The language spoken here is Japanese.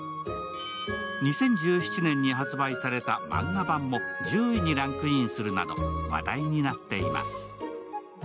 ２０１７年に発売されたマンガ版も１０位にランクインするなど話題になっています